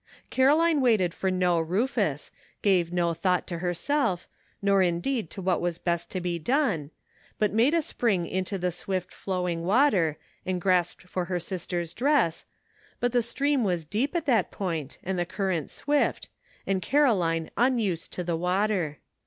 Caroline waited for no Rufus, gave no thought to herself, nor indeed to what was best to be done, but made a spring into the swift flowing water and grasped for her sister's dress, but the stream was deep at that point and the cur rent swift, and Caroline unused to the water.